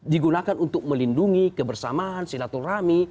digunakan untuk melindungi kebersamaan silaturahmi